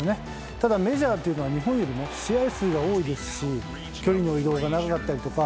ただ、メジャーは日本よりも試合数が多いですし移動の距離が長かったりとか。